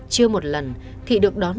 chưa một lần thị được đón